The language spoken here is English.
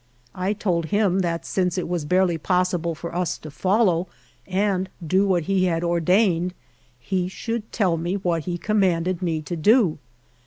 I told him that since it was barely possible for us to follow and do what he had ordained, he should tell me what he commanded me to do.